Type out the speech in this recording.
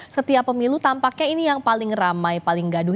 setiap pemilu tampaknya ini yang paling ramai paling gaduh